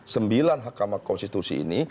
sembilan hakama konstitusi ini